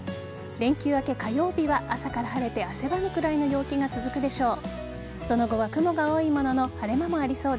連休明け火曜日は朝から晴れて汗ばむくらいの陽気が続くでしょう。